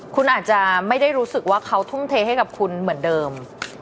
คุณอาจจะไม่ได้รู้สึกว่าเขาทุ่มเทให้กับคุณเหมือนเดิม